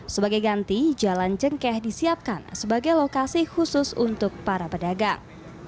sebagai ganti jalan cengkeh disiapkan sebagai lokasi khusus untuk para pedagang